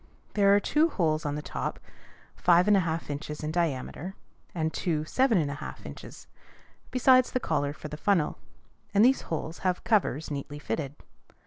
There are two holes on the top 5 1/2 inches in diameter, and two 7 1/2 inches, besides the collar for the funnel; and these holes have covers neatly fitted.